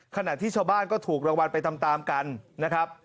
ขณะที่ชาวบ้านก็ถูกรางวัลไปตามกันนะครับ